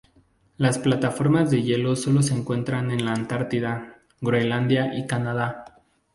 Las plataformas de hielo sólo se encuentran en la Antártida, Groenlandia y Canadá.